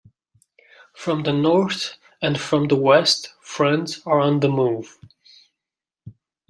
From the north and from the west, friends are on the move.